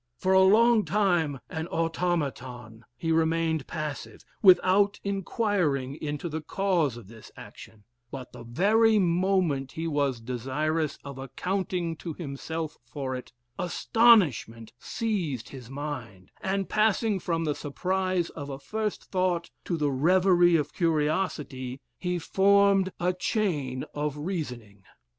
For a long time an automaton, he remained passive, without inquiring into the cause of this action; but the very moment he was desirous of accounting to himself for it, astonishment seized his mind; and passing from the surprise of a first thought to the reverie of curiosity, he formed a chain of reasoning.